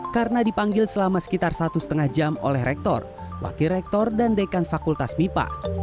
karena dipanggil selama sekitar satu lima jam oleh rektor wakil rektor dan dekan fakultas mipa